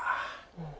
うん。